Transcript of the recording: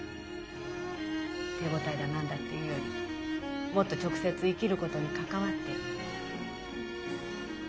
手応えだ何だって言うよりもっと直接生きることに関わってるもんなの。